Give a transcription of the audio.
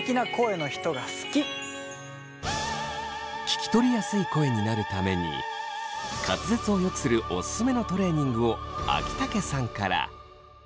聞き取りやすい声になるために滑舌をよくするオススメのトレーニングを秋竹さんから。